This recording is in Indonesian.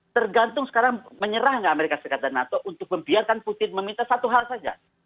tergantung sekarang menyerah nggak amerika serikat dan nato untuk membiarkan putin meminta satu hal saja